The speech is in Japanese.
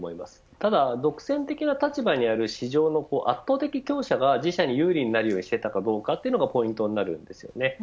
ただ独占的な立場にある市場の圧倒的強者が自社に有利になるようにしていたかがポイントになるんですよね。